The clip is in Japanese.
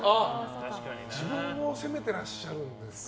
自分を責めていらっしゃるんですか。